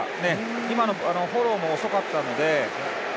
今のフォローも遅かったので。